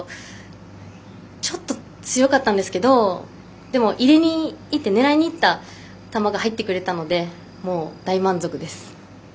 ちょっと強かったんですけどでも、狙いにいった球が入ってくれたので大満足です。